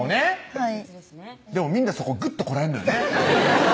はいでもみんなそこぐっとこらえんのよね